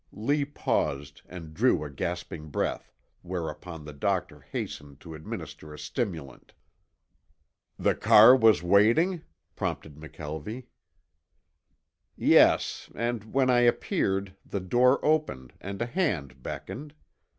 Lee paused and drew a gasping breath, whereupon the doctor hastened to administer a stimulant. "The car was waiting?" prompted McKelvie. "Yes, and when I appeared the door opened and a hand beckoned.